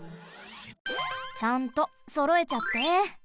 ちゃんとそろえちゃって。